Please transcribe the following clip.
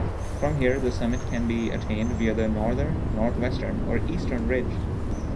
From here, the summit can be attained via the northern, northwestern or eastern ridge.